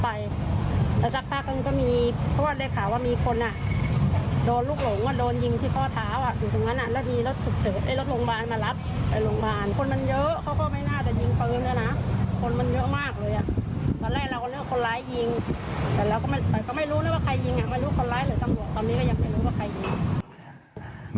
ไม่รู้คนร้ายหรือตำรวจตอนนี้ก็ยังไม่รู้ว่าใครยิง